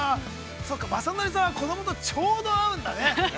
そうか、まさのりさんは、子どもと、ちょうど合うんだね。